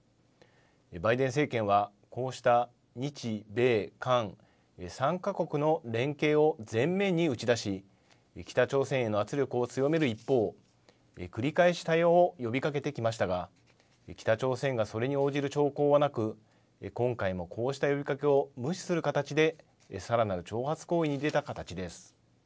バイデン政権はこうした日米韓３か国の連携を前面に打ち出し、北朝鮮への圧力を強める一方、繰り返し対話を呼びかけてきましたが、北朝鮮がそれに応じる兆候はなく、今回もこうした呼びかけを無視する形でさらなる挑発行為に出た形です。